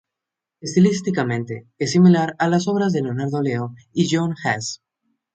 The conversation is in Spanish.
Estilísticamente, es similar a las obras de Leonardo Leo y Johann Hasse.